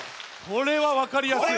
これはわかりやすい。